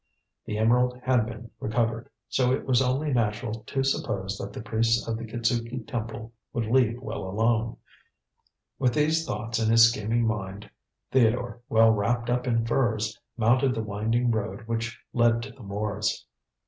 The emerald had been recovered, so it was only natural to suppose that the priests of the Kitzuki Temple would leave well alone. With these thoughts in his scheming mind, Theodore, well wrapped up in furs, mounted the winding road which led to the moors.